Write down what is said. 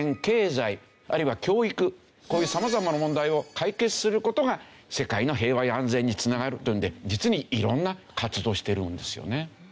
こういう様々な問題を解決する事が世界の平和や安全に繋がるというので実に色んな活動をしているんですよね。